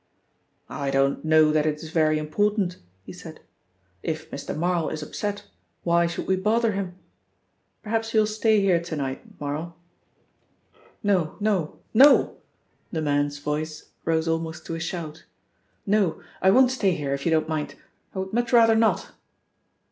"I don't know that it is very important," he said. "If Mr. Marl is upset, why should we bother him? Perhaps you'll stay here to night. Marl?" "No, no, no," the man's voice rose almost to a shout. "No, I won't stay here, if you don't mind I would much rather not!"